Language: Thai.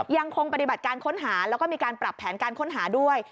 ยังคงปฏิบัติการค้นหาแล้วก็มีการปรับแผนการค้นหาด้วย